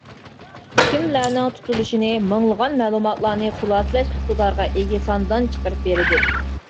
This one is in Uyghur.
كىملەرنىڭ تۇتۇلۇشىنى مىڭلىغان مەلۇماتلارنى خۇلاسىلەش ئىقتىدارىغا ئىگە ساندان چىقىرىپ بېرىدۇ.